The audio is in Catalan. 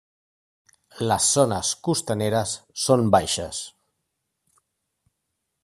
Les zones costaneres són baixes.